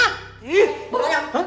ih boro yang